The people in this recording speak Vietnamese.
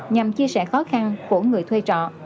nhằm chia sẻ khó khăn của người thuê trọ